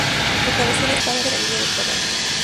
Su cabecera estaba en la Villa de Parral.